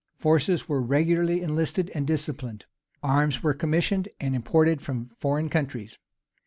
Forces were regularly enlisted and disciplined. Arms were commissioned and imported from foreign countries.